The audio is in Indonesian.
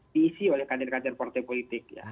diisi oleh kader kader partai politik ya